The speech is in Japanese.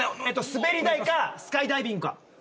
滑り台かスカイダイビングか。